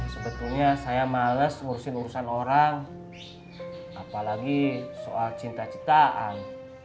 sebetulnya saya males ngurusin urusan orang apalagi soal cinta citaan